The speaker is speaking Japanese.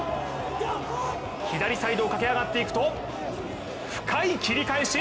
左サイドを駆け上がっていくと深い切り返し。